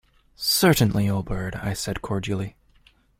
"Certainly, old bird," I said cordially.